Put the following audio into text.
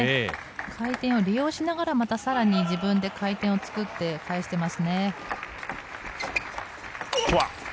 回転を利用しながらまた更に回転を作って返していますね。